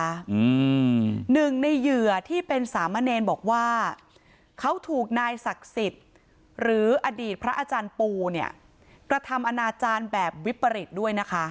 อืมหนึ่งในเหยื่อที่เป็นสามเณรบอกว่าเขาถูกนายศักดิ์สิทธิ์หรืออดีตพระอาจารย์ปูเนี่ยกระทำอนาจารย์แบบวิปริตด้วยนะคะ